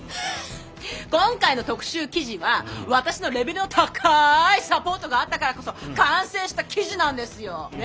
今回の特集記事は私のレベルの高いサポートがあったからこそ完成した記事なんですよ。ね？